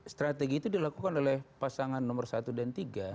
strategi itu dilakukan oleh pasangan nomor satu dan tiga